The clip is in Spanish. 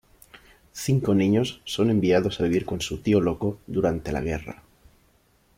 Cinco niños son enviados a vivir con su tío loco durante la guerra.